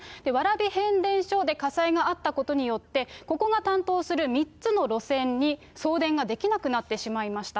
蕨変電所で火災があったことによって、ここが担当する３つの路線に送電ができなくなってしまいました。